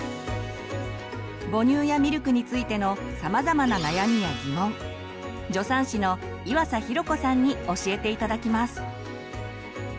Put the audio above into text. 母乳やミルクについてのさまざまな悩みやギモン助産師の岩佐寛子さんに教えて頂きます。